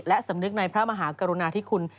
และสำนึกในพระมหากรุณาธิคุณ